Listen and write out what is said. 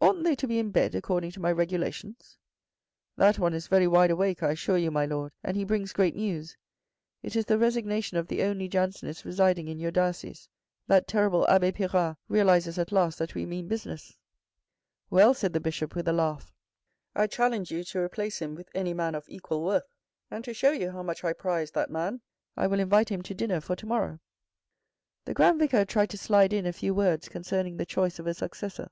" Oughtn't they to be in bed according to my regulations." "That one is very wide awake I assure you, my Lord, and he brings great news. It is the resignation of the only Jansenist residing in your diocese, that terrible abbe Pirard realises at last that we mean business." 11 Well," said the Bishop with a laugh. " I challenge you to replace him with any man of equal worth, and to show you how much I prize that man, I will invite him to dinner for to morrow." The Grand Vicar tried to slide in a few words concerning the choice of a successor.